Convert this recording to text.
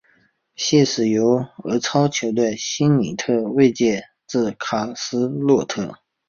现时由俄超球队辛尼特外借至卡斯洛达。